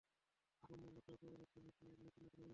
কম মূল্য, কেউ কেউ এর অর্থ মেকী মুদ্রা বলেছেন।